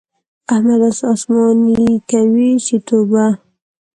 احمد داسې اسماني کوي چې توبه!